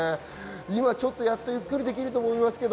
今ちょっと、やっとゆっくりできると思います。